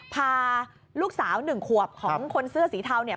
พาลูกสาว๑ขวบของคนเสื้อสีเทาเนี่ย